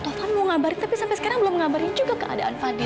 taufan mau ngabarin tapi sampai sekarang belum ngabarin juga keadaan fadil